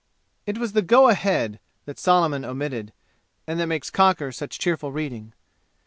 It was the "Go ahead!" that Solomon omitted, and that makes Cocker such cheerful reading.